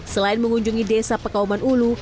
selain mengunjungi desa pekauman ulu